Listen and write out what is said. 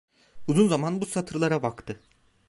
Uzun zaman bu satırlara baktı.